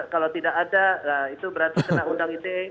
kalau tidak ada itu berarti kena undang ite